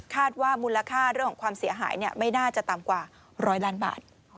ว่ามูลค่าเรื่องของความเสียหายไม่น่าจะต่ำกว่า๑๐๐ล้านบาท